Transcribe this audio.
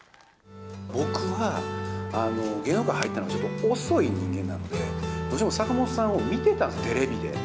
僕は芸能界入ったのが、ちょっと遅い人間なので、坂本さんを見てたんです、テレビで。